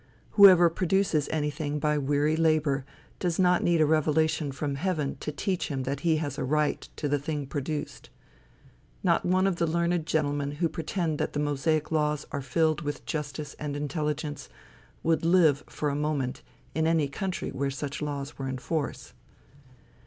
Whoever produces anything by weary labor, does not need a revelation from heaven to teach him that he has a right to the thing produced. Not one of the learned gentlemen who pretend that the Mosaic laws are filled with justice and intelligence, would live, for a moment, in any country where such laws were in force.